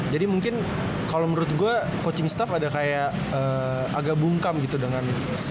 jadi mungkin kalo menurut gue coaching staff ada kayak agak bungkam gitu dengan